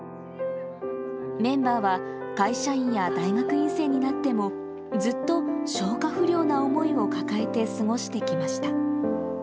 メンバーは、会社員や大学院生になっても、ずっと消化不良な思いを抱えて過ごしてきました。